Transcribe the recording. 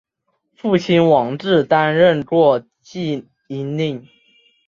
父亲王志担任过济阴令。